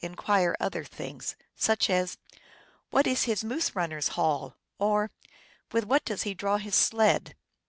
inquire other things, such as, " What is his moose run ner s haul ?" or, " With what does he draw his sled?